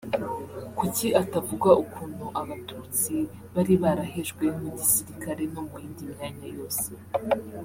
Kuki atavuga ukuntu abatutsi bali barahejwe mu gisilikare no muyindi myanya yose